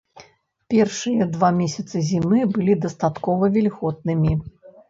Першыя два месяцы зімы былі дастаткова вільготнымі.